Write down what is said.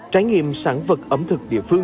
trải nghiệm sản vật ấm thực địa phương